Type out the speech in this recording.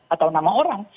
atau nama orang lain